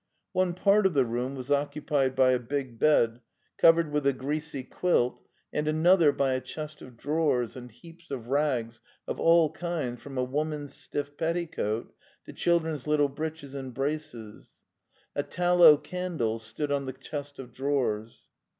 One part of the room was occupied by a big bed, cov ered with a greasy quilt and another by a chest of drawers and heaps of rags of all kinds from a wom an's stiff petticoat to children's little breeches and braces. A tallow candle stood on the chest of. drawers.